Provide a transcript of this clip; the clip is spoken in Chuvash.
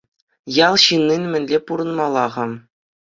Ял ҫыннин мӗнле пурӑнмалла-ха?